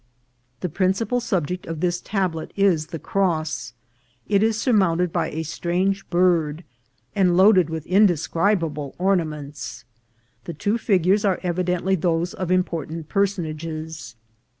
The principal subject of this tablet is the cross. It is surmounted by a strange bird, and loaded with in describable ornaments. The two figures are evidently those of important personages.